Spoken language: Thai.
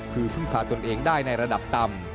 คือพึ่งพาตนเองได้ในระดับต่ำ